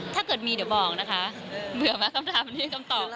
ถ้าเกิดมีเดี๋ยวบอกนะคะเบื่อไหมคำถามมีคำตอบ